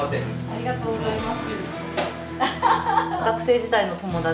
ありがとうございます。